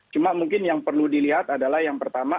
cuma mungkin yang perlu dilihat adalah yang pertama